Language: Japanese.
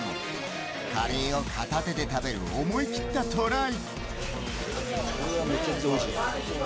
カレーを片手で食べる思い切ったトライ。